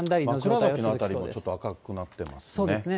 枕崎の辺りはちょっと赤くなってますね。